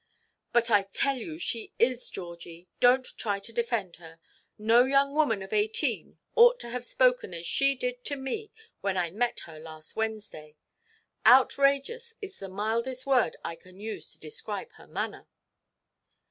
"But I tell you she is, Georgie. Donʼt try to defend her. No young woman of eighteen ought to have spoken as she did to me when I met her last Wednesday. 'Outrageous' is the mildest word I can use to describe her manner."